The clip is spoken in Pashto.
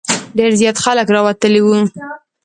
ډېر زیات خلک راوتلي وو.